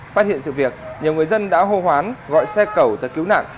phát hiện sự việc nhiều người dân đã hô hoán gọi xe cầu tới cứu nạn